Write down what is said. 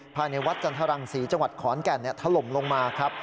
ภายในวัดจันทรังศรีจังหวัดขอนแก่นถล่มลงมาครับ